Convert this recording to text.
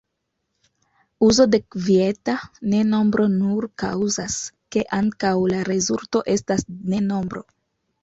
Uzo de kvieta ne nombro nur kaŭzas ke ankaŭ la rezulto estas ne nombro.